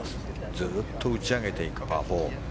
ずっと打ち上げていくパー